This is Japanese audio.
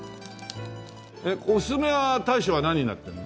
おすすめは大将は何になってるの？